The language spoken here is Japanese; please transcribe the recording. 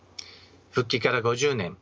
復帰から５０年。